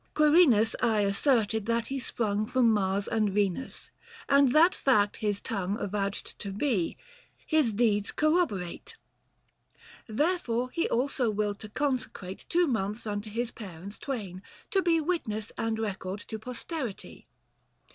60 Quirinus aye asserted that he sprung From Mars and Venus ; and that fact his tongue Avouched to be — his deeds corroborate. Therefore he also willed to consecrate, Two months unto his parents twain, to be 65 Witness and record to posterity.